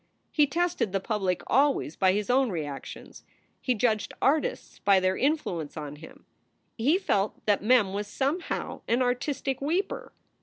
He tested the public always by his own reactions. He judged artists by their influence on him. He felt that Mem was somehow an artistic weeper.